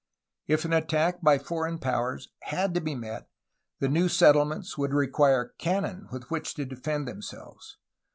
If an attack by foreign powers had to be met, the new settlements would require cannon with which to defend themselves.